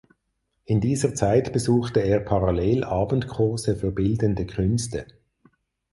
In dieser Zeit besuchte er parallel Abendkurse für bildende Künste.